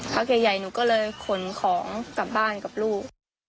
พักใหญ่หนูก็เลยขนของกลับบ้านกับลูก